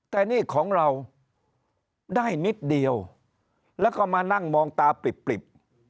แต่นี่ของเราได้นิดเดียวแล้วก็มานั่งมองตาปริบ